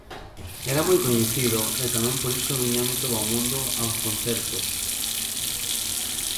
Era moi coñecido e tamén por iso víñame todo o mundo aos concertos.